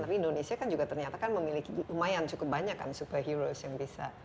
tapi indonesia kan juga ternyata memiliki lumayan cukup banyak kan super heroes yang bisa